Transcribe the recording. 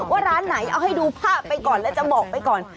ว่าร้านไหนเอาให้ดูภาพไปก่อนแล้วจะบอกไปก่อน